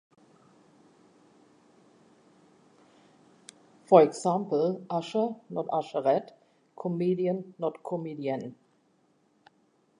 For example, "usher", not "usherette"; "comedian", not "comedienne".